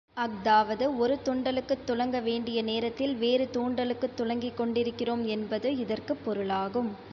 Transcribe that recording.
அஃதாவது, ஒரு துண்டலுக்குத் துலங்கவேண்டிய நேரத்தில் வேறு துாண்டலுக்குத் துலங்கிக்கொண்டிருக்கிறோம் என்பது இதற்குப் பொருளாகும்.